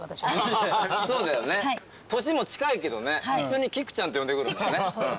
そうだよね年も近いけどね普通に「菊ちゃん」って呼んでくるもんね。